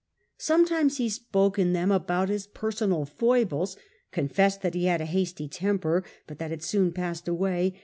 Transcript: Sometimes he spoke in them about Wantofdig his personal foibles ; confessed that he had a hasty temper, but that it soon passed away ; tions.